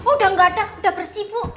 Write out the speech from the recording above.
oh udah gak ada udah bersih bu